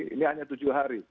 ini hanya tujuh hari